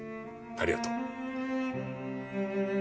ありがとう。